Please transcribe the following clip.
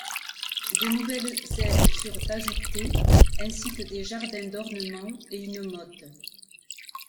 De nouvelles ailes furent ajoutées, ainsi que des jardins d'ornement et une motte.